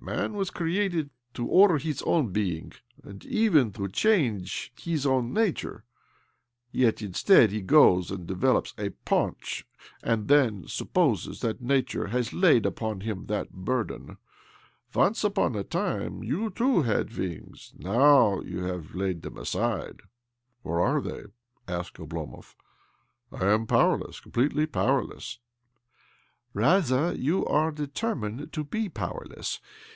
Man was created to order hii own being, and even to change his owr nature ; yet, instead, he goes and develops a paunch, and then supposes that nature has laid upon him that burden. Once upon s time you too had wings. Now you have laic them aside." " Where are they? " asked Oblomov. " 1 am powerless, completely powerless." " Rather, you are determined to bt powerless.